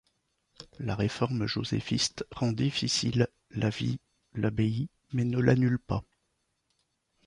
La réforme joséphiste rend difficile la vie l'abbaye, mais ne l'annule pas.